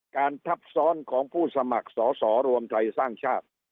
ทับซ้อนของผู้สมัครสอสอรวมไทยสร้างชาติ